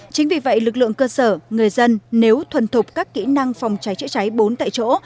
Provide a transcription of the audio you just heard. chính vì vậy lực lượng cơ sở người dân nếu thuần thục các kỹ năng phòng cháy chữa cháy bốn tại chỗ